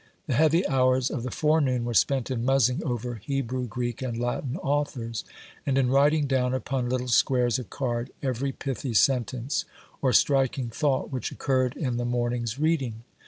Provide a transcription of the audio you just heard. The heavy hours of the forenoon were spent in muzzing over Hebrew, Greek, and Latin authors, and in writing down upon little squares of card every pithy sentence or striking thought which occurred in the morning's reading.